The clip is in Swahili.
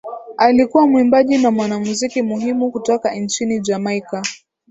Alikuwa mwimbaji na mwanamuziki muhimu kutoka nchini Jamaika